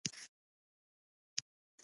د سرو زرو کیمیاوي سمبول څه دی.